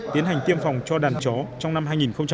tiến hành tiêm phòng cho đàn chó trong năm hai nghìn một mươi tám